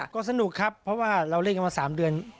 ก็สนุกครับเพราะว่าเราเล่นกันมา๓เดือน